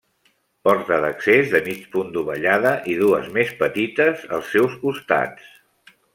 Porta d'accés de mig punt dovellada i dues més petites als seus costats.